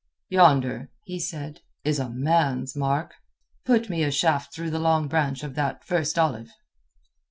"Yonder," he said, "is a man's mark. Put me a shaft through the long branch of that first olive."